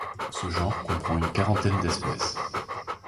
Ce genre comprend une quarantaine d'espèces.